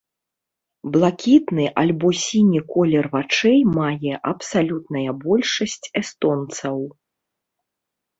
Блакітны альбо сіні колер вачэй мае абсалютная большасць эстонцаў.